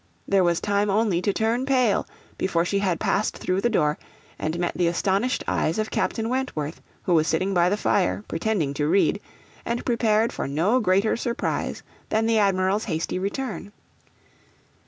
There was time only to turn pale before she had passed through the door, and met the astonished eyes of Captain Wentworth, who was sitting by the fire, pretending to read, and prepared for no greater surprise than the Admiral's hasty return.